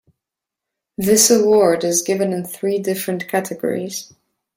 This award is given in three different categories.